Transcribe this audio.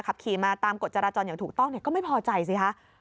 ขับขี่มาตามกฎจราจรอย่างถูกต้องก็ไม่พอใจสิคะ